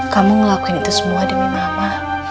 kamu ngelakuin itu semua demi mama